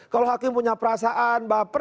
kalau hakim punya perasaan baper